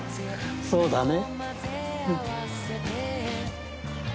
そうだね。